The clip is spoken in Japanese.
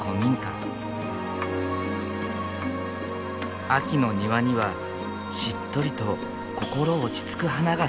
秋の庭にはしっとりと心落ち着く花が咲いている。